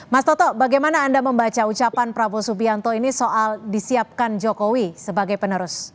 mas toto bagaimana anda membaca ucapan prabowo subianto ini soal disiapkan jokowi sebagai penerus